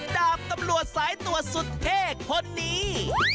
ดาบตำรวจสายตรวจสุดเท่คนนี้